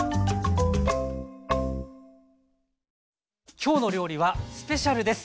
「きょうの料理」はスペシャルです！